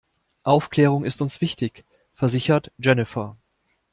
Aufklärung ist uns wichtig, versichert Jennifer.